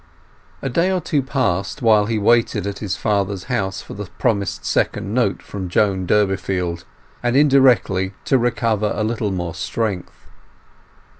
A day or two passed while he waited at his father's house for the promised second note from Joan Durbeyfield, and indirectly to recover a little more strength.